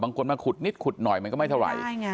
บางคนมาขุดนิดขุดหน่อยมันก็ไม่เท่าไหร่